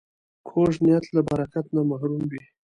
کوږ نیت له برکت نه محروم وي